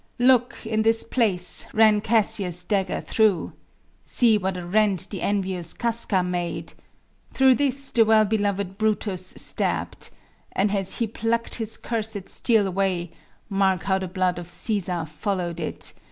Look, in this place, ran Cassius' dagger through: See, what a rent the envious Casca made: Through this, the well beloved Brutus stab'd; And as he pluck'd his cursed steel away, Mark how the blood of Cæsar follow'd it!